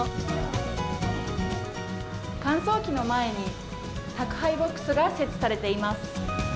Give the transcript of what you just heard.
乾燥機の前に、宅配ボックスが設置されています。